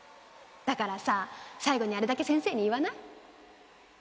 だからさ最後にあれだけ先生に言わない？